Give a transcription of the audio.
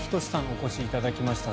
お越しいただきました。